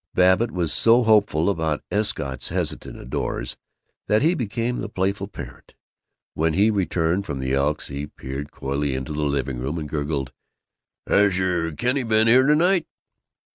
Babbitt was so hopeful about Escott's hesitant ardors that he became the playful parent. When he returned from the Elks he peered coyly into the living room and gurgled, "Has our Kenny been here to night?"